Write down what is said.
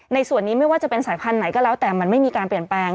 ในส่วนนี้ไม่ว่าจะเป็นสายพันธุ์ไหนก็แล้วแต่มันไม่มีการเปลี่ยนแปลง